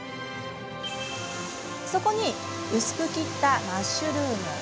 そこに薄く切ったマッシュルーム。